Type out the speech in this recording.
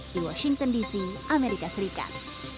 di washington dc amerika serikat